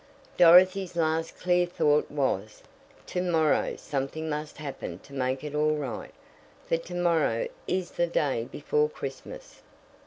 Dorothy's last clear thought was: "To morrow something must happen to make it all right, for to morrow is the day before Christmas."